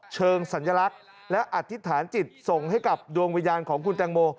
เชิงสัญลักษณ์และอธิษฐานจิตส่งให้กับดวงวิญญาณของคุณแตงโม